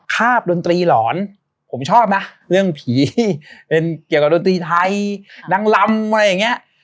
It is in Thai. คาบดนตรีหลอนผมชอบนะเรื่องผีเป็นเกี่ยวกับดนตรีไทยนางลำอะไรอย่างเงี้ย